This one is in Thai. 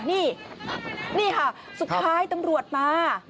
นี่นี่ค่ะสุดท้ายตำรวจมา